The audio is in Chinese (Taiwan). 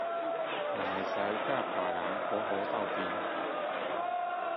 也能跟別人好好相處